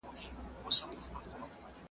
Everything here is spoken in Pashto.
دا پردۍ ښځي چي وینمه شرمېږم .